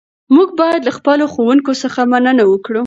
موږ باید له خپلو ښوونکو څخه مننه وکړو.